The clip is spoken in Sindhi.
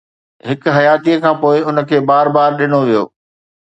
هڪ حياتيءَ کان پوءِ، ان کي بار بار ڏنو ويو